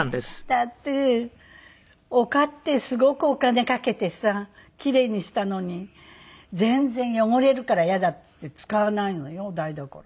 だってお勝手すごくお金かけてさキレイにしたのに全然「汚れるからイヤだ」っつって使わないのよお台所。